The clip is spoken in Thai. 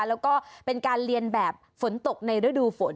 แล้วก็เป็นการเรียนแบบฝนตกในฤดูฝน